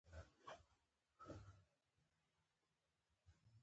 تکامل داسې کار وکړ چې دا خوند په تیزي سره پای ته ورسېږي.